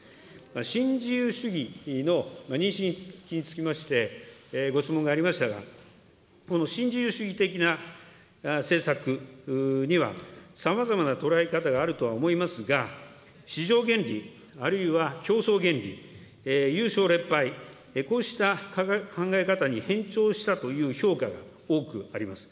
新自由主義の認識につきまして、ご質問がありましたが、この新自由主義的な政策には、さまざまな捉え方があるとは思いますが、市場原理、あるいは競争原理、優勝劣敗、こうした考え方に偏重したという評価が多くあります。